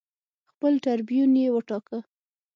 خپل ټربیون یې وټاکه